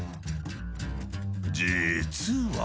実は。